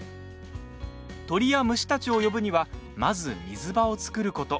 鳥や虫たちを呼ぶにはまず水場を作ること。